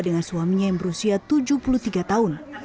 dengan suaminya yang berusia tujuh puluh tiga tahun